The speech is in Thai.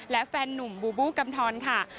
และแฟนนุ่มบูบูกำทรค่ะ